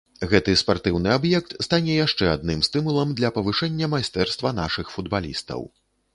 Гэты спартыўны аб'ект стане яшчэ адным стымулам для павышэння майстэрства нашых футбалістаў.